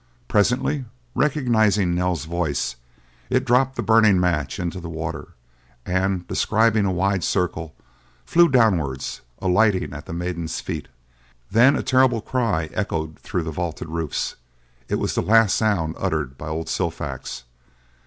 Presently, recognizing Nell's voice, it dropped the burning match into the water, and, describing a wide circle, flew downwards, alighting at the maiden's feet. Then a terrible cry echoed through the vaulted roofs. It was the last sound uttered by old Silfax.